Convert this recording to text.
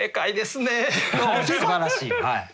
すばらしい。